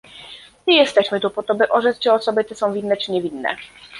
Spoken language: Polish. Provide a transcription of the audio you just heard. Nie jesteśmy tu po to, by orzec, czy osoby te są winne czy niewinne